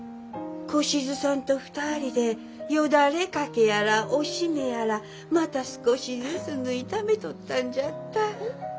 小しずさんと２人でよだれ掛けやらおしめやらまた少しずつ縫いためとったんじゃった。